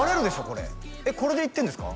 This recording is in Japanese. これこれで行ってんですか？